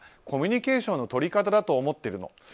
コミュニケーションの取り方だと思ってるの。